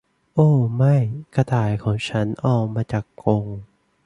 โอ้ไม่กระต่ายของฉันออกมาจากกรง !